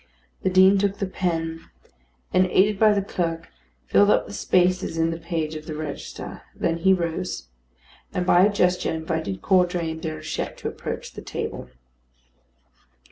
The Dean took the pen, and aided by the clerk, filled up the spaces in the page of the register; then he rose, and by a gesture invited Caudray and Déruchette to approach the table.